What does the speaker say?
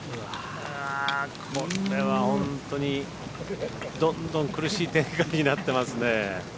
これは本当にどんどん苦しい展開になっていますね。